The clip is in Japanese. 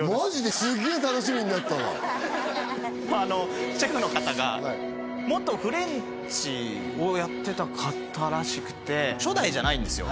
すげえ楽しみになったわあのシェフの方が元フレンチをやってた方らしくて初代じゃないんですよ